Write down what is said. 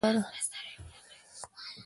د نورو دې هوساينۍ لپاره